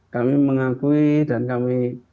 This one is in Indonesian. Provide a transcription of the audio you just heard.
kami mengakui dan kami